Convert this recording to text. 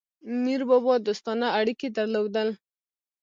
میربابا دوستانه اړیکي درلودل.